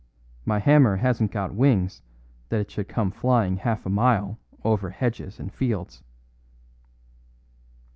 My hammer hasn't got wings that it should come flying half a mile over hedges and fields."